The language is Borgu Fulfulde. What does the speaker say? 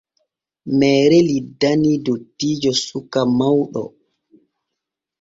Meere lildani dottiijo suka mawɗo.